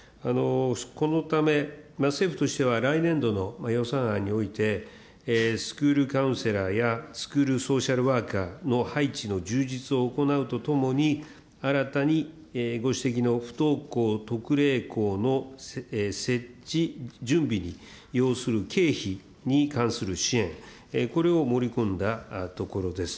このため、政府としては来年度の予算案において、スクールカウンセラーやスクールソーシャルワーカーの配置の充実を行うとともに、新たにご指摘の不登校特例校の設置準備に要する経費に関する支援、これを盛り込んだところです。